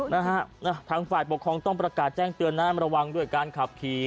นะฮะทางฝ่ายปกครองต้องประกาศแจ้งเตือนนะระวังด้วยการขับขี่